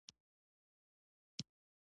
د توضیح لپاره شا ته لاړ شو